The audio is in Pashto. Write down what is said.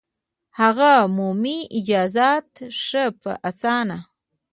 هغه مومي اجازت ښه په اسانه